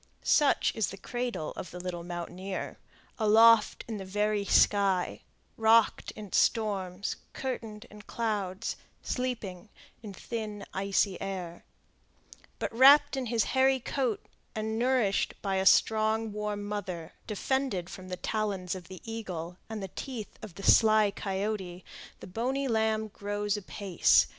Such is the cradle of the little mountaineer, aloft in the very sky; rocked in storms, curtained in clouds, sleeping in thin, icy air; but, wrapped in his hairy coat, and nourished by a strong, warm mother, defended from the talons of the eagle and the teeth of the sly coyote, the bonny lamb grows apace.